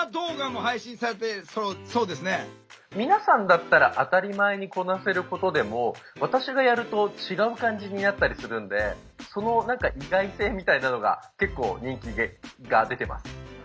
乙武君は皆さんだったら当たり前にこなせることでも私がやると違う感じになったりするんでその何か意外性みたいなのが結構人気が出てます。